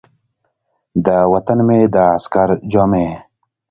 د وطن مې د عسکر جامې ،